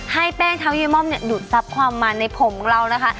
ให้แป้งเท้าเยมอมหยุดซับความมันในผมเรานะคะ